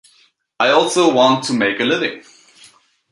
I also want to make a living.